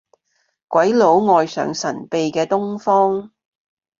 鬼佬愛上神秘嘅東方